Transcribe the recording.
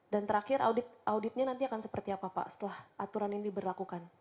dan terakhir auditnya nanti akan seperti apa pak setelah aturan ini diberlakukan